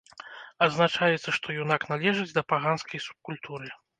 Адзначаецца, што юнак належыць да паганскай субкультуры.